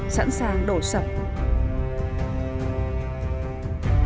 giác thải chất đóng khắp nơi